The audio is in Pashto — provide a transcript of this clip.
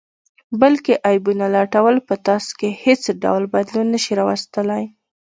بل کې عیبونه لټول په تاسې کې حیڅ ډول بدلون نه شي راوستلئ